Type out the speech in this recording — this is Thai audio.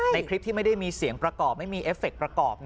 ในคลิปที่ไม่ได้มีเสียงประกอบไม่มีเอฟเคประกอบ